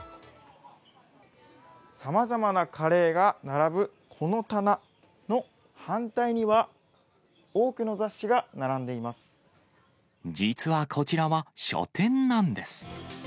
さまざまなカレーが並ぶこの棚の反対には、多くの雑誌が並ん実はこちらは書店なんです。